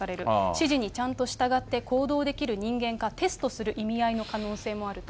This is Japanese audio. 指示にちゃんと従って行動できる人間か、テストする意味合いの可能性もあると。